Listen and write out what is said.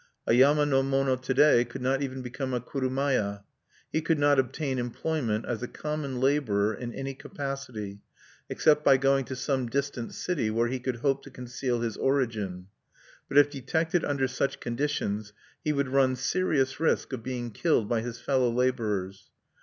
A yama no mono to day could not even become a kurumaya. He could not obtain employment as a common laborer in any capacity, except by going to some distant city where he could hope to conceal his origin. But if detected under such conditions he would run serious risk of being killed by his fellow laborers.